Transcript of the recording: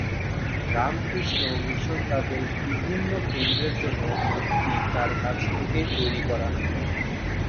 Ramakrishna Mission তাদের বিভিন্ন কেন্দ্রের জন্য মূর্তি তাঁর কাছ থেকেই তৈরি করান।